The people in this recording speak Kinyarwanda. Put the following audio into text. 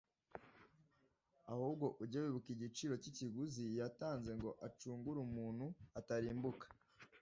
ahubwo ujye wibuka igiciro cy’ikiguzi yatanze ngo acungure umuntu atarimbuka